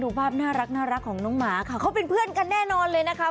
ภาพน่ารักของน้องหมาค่ะเขาเป็นเพื่อนกันแน่นอนเลยนะคะ